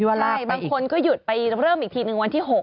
ใช่บางคนก็หยุดไปเริ่มอีกทีหนึ่งวันที่๖